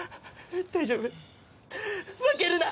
大丈夫負けるな！